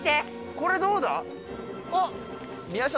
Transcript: これ、どうだ？あっ。